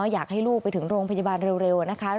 อยากให้ลูกไปถึงโรงพยาบาลเร็วนะคะ